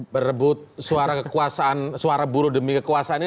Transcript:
berebut suara kekuasaan suara buruh demi kekuasaannya